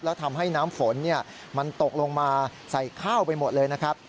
แล้วทำให้น้ำฝนมันตกลงมาใส่ข้าวไปหมดเลยนะครับ